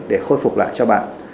để khôi phục lại cho bạn